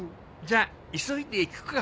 じゃあ急いで行くか。